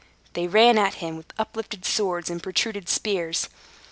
they ran at him with uplifted swords and protruded spears.